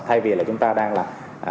thay vì là chúng ta đang là